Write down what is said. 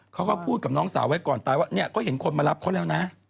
เขาก็พูดกับน้องสาวไว้ก่อนตายว่าเนี่ยก็เห็นคนมารับเขาแล้วนะ